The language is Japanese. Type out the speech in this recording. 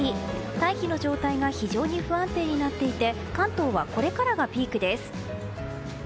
大気の状態が非常に不安定になっていて関東はこれからがピークです。